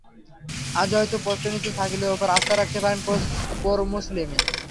আজও হয়তো পোস্টের নিচে শাকিলের ওপর আস্থা রাখতে পারেন কোচ পোরমুসলিমি।